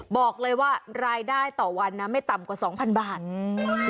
บอกเลยว่ารายได้ต่อวันนะไม่ต่ำกว่าสองพันบาทอืม